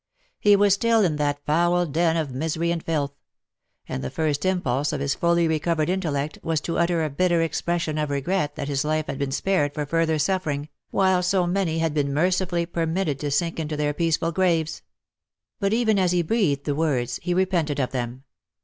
He was still in that foul den of misery and filth ; and the first impulse of his fully recovered intellect was to utter a bitter expression of regret that his life had been spared for further suffering, while so many had been mercifully permitted to sink into their peaceful graves. But even as he breathed the words, he repented of them.